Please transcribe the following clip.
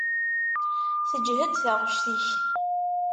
Teǧhed taɣect-ik.